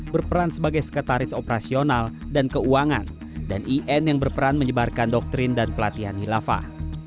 berperan sebagai sekretaris operasional dan keuangan dan in yang berperan menyebarkan doktrin dan pelatihan hilafah